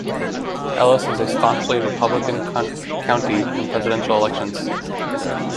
Ellis is a staunchly Republican county in presidential elections.